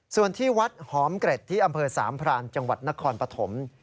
ส่วนที่วัดหอมเกร็ดที่อำเภอสามพรานจังหวัดนครปฐม